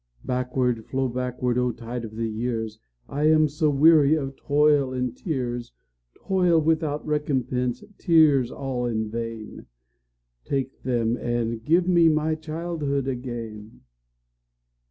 Backward, flow backward, O tide of the years!I am so weary of toil and of tears,—Toil without recompense, tears all in vain,—Take them, and give me my childhood again!